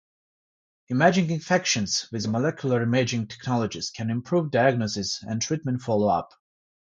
Imaging infections with molecular imaging technologies can improve diagnosis and treatment follow-up.